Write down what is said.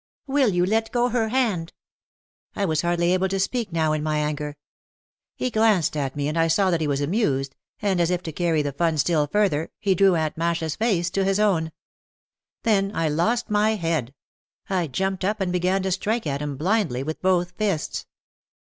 "Will you let go her hand?" I was hardly able to speak now in my anger. He glanced at me and I saw that he was amused and, as if to carry the fun still further, he drew Aunt Masha's face to his own. Then I lost my head. I jumped up and began to strike at him blindly with both fists.